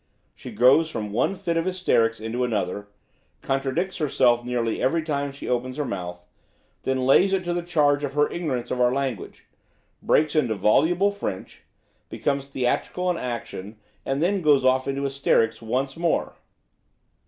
She goes from one fit of hysterics into another; contradicts herself nearly every time she opens her mouth, then lays it to the charge of her ignorance of our language; breaks into voluble French; becomes theatrical in action, and then goes off into hysterics once more."